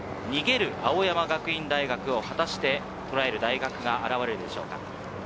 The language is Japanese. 逃げる青山学院大学を果たしてとらえる大学が現れるでしょうか。